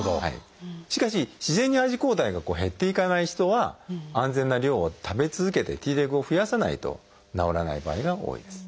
しかし自然にＩｇＥ抗体が減っていかない人は安全な量を食べ続けてＴレグを増やさないと治らない場合が多いです。